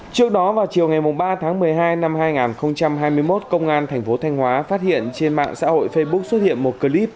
trước đó vào chiều ngày ba tháng một mươi hai năm hai nghìn hai mươi một công an thành phố thanh hóa phát hiện trên mạng xã hội facebook xuất hiện một clip